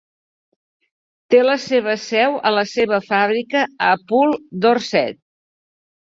Té la seva seu a la seva fàbrica a Poole, Dorset.